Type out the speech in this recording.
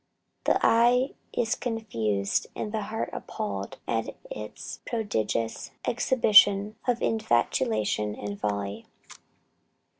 The eye is confused and the heart appalled at the prodigious exhibition of infatuation and folly.